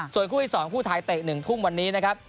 ส่วนคู่อีกสองคู่ไทยเตะหนึ่งทุ่มวันนี้นะครับ